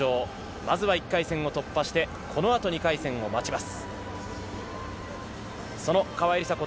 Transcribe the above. まずは１回戦を突破して、この後２回戦を待ちます。